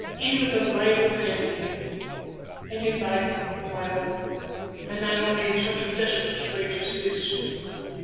even the life of an enemy any life but my own, and that only in such a desperate strait as this.